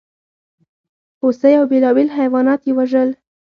هوسۍ او بېلابېل حیوانات یې وژل.